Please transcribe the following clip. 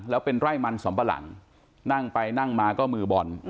แล้วเป็นไร่มันสำปะหลังนั่งไปนั่งมาก็มือบอล